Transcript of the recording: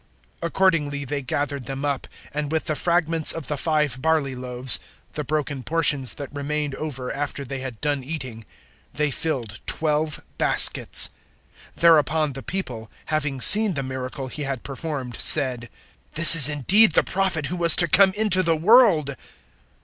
006:013 Accordingly they gathered them up; and with the fragments of the five barley loaves the broken portions that remained over after they had done eating they filled twelve baskets. 006:014 Thereupon the people, having seen the miracle He had performed, said, "This is indeed the Prophet who was to come into the world."